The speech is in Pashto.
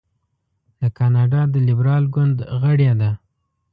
د کاناډا د لیبرال ګوند غړې ده.